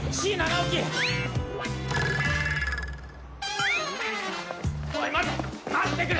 おい待て待ってくれ！